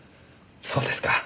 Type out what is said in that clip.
そうですか。